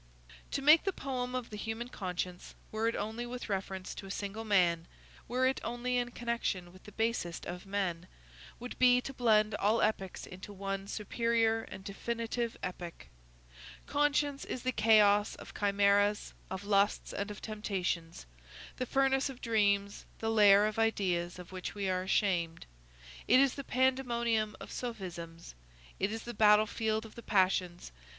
To make the poem of the human conscience, were it only with reference to a single man, were it only in connection with the basest of men, would be to blend all epics into one superior and definitive epic. Conscience is the chaos of chimæras, of lusts, and of temptations; the furnace of dreams; the lair of ideas of which we are ashamed; it is the pandemonium of sophisms; it is the battlefield of the passions.